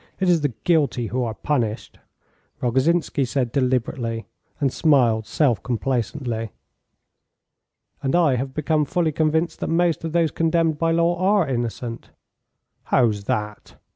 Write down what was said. It is the guilty who are punished," Rogozhinsky said deliberately, and smiled self complacently. "And I have become fully convinced that most of those condemned by law are innocent." "How's that?"